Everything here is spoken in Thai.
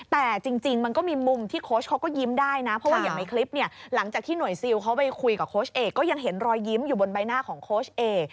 แต่จริงมันก็มีมุมที่โค้ชเขาก็ยิ้มได้นะเพราะว่าอย่างในคลิปเนี่ยหลังจากที่หน่วยซิลเขาไปคุยกับโค้ชเอกก็ยังเห็นรอยยิ้มอยู่บนใบหน้าของโค้ชเอก